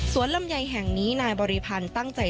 ลำไยแห่งนี้นายบริพันธ์ตั้งใจ